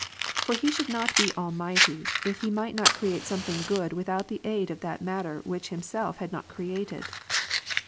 For He ' should not be All mighty, if He might not create something good without the aid of that matter which Himself had not created.